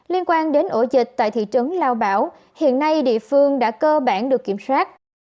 liên quan đến ổ dịch tại thị trấn lao bảo hiện nay địa phương đã cơ bản được kiểm soát